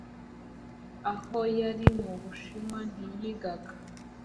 Aho yari ari mu Bushinwa ntiyigaga